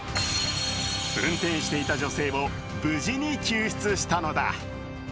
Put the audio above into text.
運転していた女性を無事に救出したのだ。